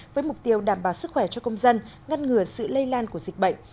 với mục tiêu đảm bảo sức khỏe cho công dân ngăn ngừa sự lây lan của dịch bệnh